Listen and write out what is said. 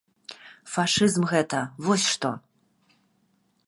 Фашызм гэта, вось што!